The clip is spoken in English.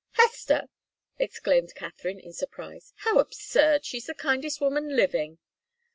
"Hester!" exclaimed Katharine, in surprise. "How absurd! She's the kindest woman living."